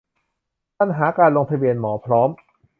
ปัญหาการลงทะเบียนหมอพร้อม